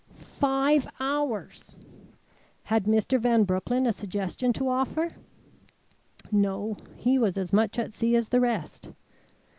Five hours! Had Mr. Van Broecklyn a suggestion to offer? No, he was as much at sea as the rest.